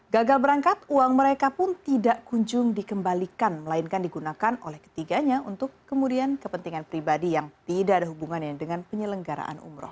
gagal berangkat uang mereka pun tidak kunjung dikembalikan melainkan digunakan oleh ketiganya untuk kemudian kepentingan pribadi yang tidak ada hubungannya dengan penyelenggaraan umroh